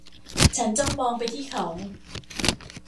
ฉันจ้องมองไปที่เขา